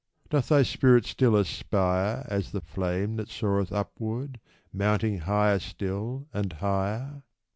Doth thy spirit still aspire As the flame that soareth upward, mounting higher still, and higher